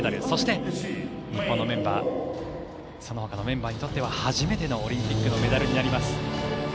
そして、日本のメンバーそのほかのメンバーにとっては初めてのオリンピックのメダルになります。